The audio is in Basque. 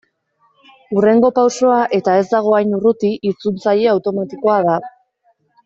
Hurrengo pausoa, eta ez dago hain urruti, itzultzaile automatikoa da.